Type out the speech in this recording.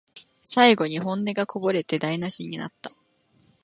最後に本音がこぼれて台なしになった